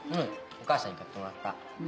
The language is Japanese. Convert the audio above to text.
お母さんに買ってもらった。